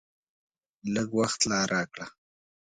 لږ وخت لا راکړه !